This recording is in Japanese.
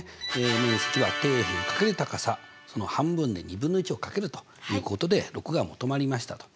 面積は底辺×高さその半分で２分の１を掛けるということで６が求まりましたと。